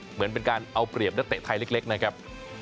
เหมือนเป็นการเอาเปรียบนักเตะไทยเล็กนะครับ